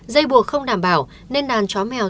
dây buộc không đảm bảo nên đàn chó mèo